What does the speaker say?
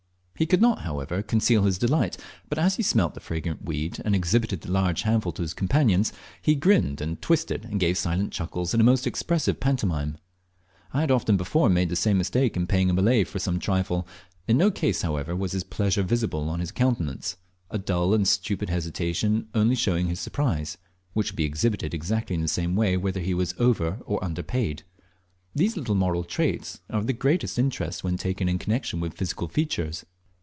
He could not, however, conceal his delight, but as he smelt the fragrant weed, and exhibited the large handful to his companions, he grinned and twisted and gave silent chuckles in a most expressive pantomime. I had often before made the same mistake in paying a Malay for some trifle. In no case, however, was his pleasure visible on his countenance a dull and stupid hesitation only showing his surprise, which would be exhibited exactly in the same way whether he was over or under paid. These little moral traits are of the greatest interest when taken in connexion with physical features.